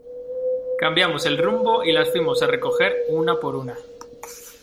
cambiamos el rumbo y las fuimos a recoger una por una,